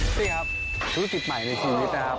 นี่ครับธุรกิจใหม่ในชีวิตนะครับ